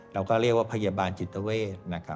เราก็เรียกว่าพยาบาลจิตเวทนะครับ